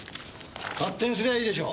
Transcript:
勝手にすりゃいいでしょ。